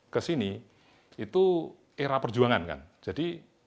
kesini itu era perjuangan kan jadi